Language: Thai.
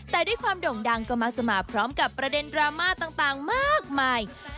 แต่ด้วยความโด่งดังก็มักจะมาพร้อมกับประเด็นดราม่าต่างมากมาย